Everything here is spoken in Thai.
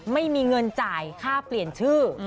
ไม่มีเงินจ่ายค่าเปลี่ยนชื่อ